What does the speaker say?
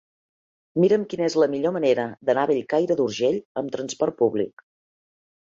Mira'm quina és la millor manera d'anar a Bellcaire d'Urgell amb trasport públic.